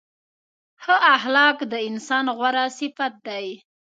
ښه اخلاق د انسان غوره صفت دی.